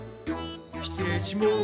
失礼します。